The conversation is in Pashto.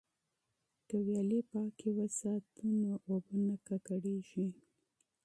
که ویالې پاکې وساتو نو اوبه نه ککړیږي.